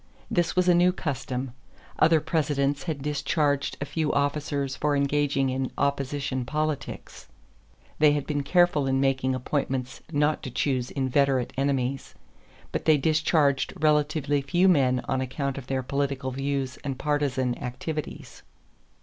This was a new custom. Other Presidents had discharged a few officers for engaging in opposition politics. They had been careful in making appointments not to choose inveterate enemies; but they discharged relatively few men on account of their political views and partisan activities.